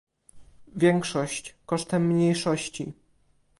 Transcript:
Większość kosztem mniejszości